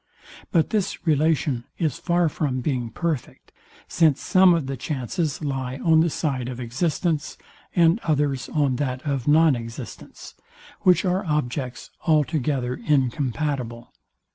But this relation is far from being perfect; since some of the chances lie on the side of existence, and others on that of non existence; which are objects altogether incompatible.